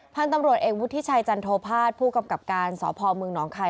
พันธุ์ตำรวจเอกวุฒิชัยจันโทภาษผู้กำกับการสพเมืองหนองคาย